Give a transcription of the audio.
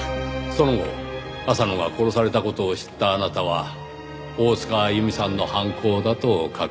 その後浅野が殺された事を知ったあなたは大塚あゆみさんの犯行だと確信した。